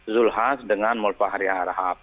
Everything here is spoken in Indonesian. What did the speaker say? zulhaz dengan molfahari harhab